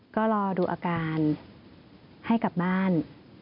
ก็รอดูอาการให้กลับบ้าน